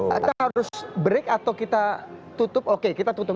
kita harus break atau kita tutup oke kita tutup